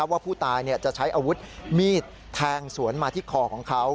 ว่าผู้ตายจะใช้อาวุธมีดแทงสวนมาที่คอของเขา